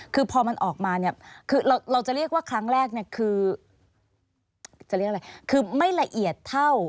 คือพอมันออกมาเราจะเรียกว่าครั้งแรกคือไม่ละเอียดเท่า